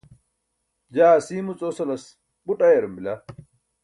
jaa asiimuc osalas buṭ ayarum bila